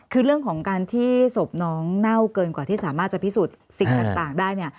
คือเรื่องของการที่ศพน้องเน่าเกินกว่าที่สามารถจะพิสูจน์สิ่งต่างได้เนี่ย